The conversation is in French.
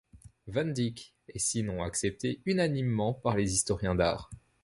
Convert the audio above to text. Van Dyke et sinon acceptée unanimement par les historiens d'art.